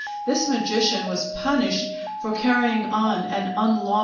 This magician was punished for carrying on an unlawful practice.